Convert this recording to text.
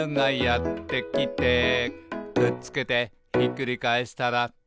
「くっつけてひっくり返したらタコ」